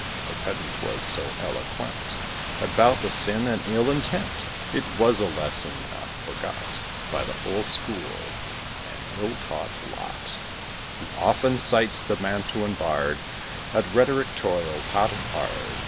The Pedant was so eloquent About the sin and ill intent; It was a lesson not forgot By the whole school, an ill taught lot; He often cites the Mantuan bard; At rhetoric toils hot and hard.